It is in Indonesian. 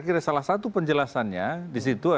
dan kembali saya kira salah satu penjelasannya disitu adalah